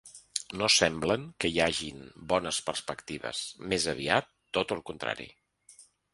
No semblen que hi hagin bones perspectives, més aviat tot el contrari.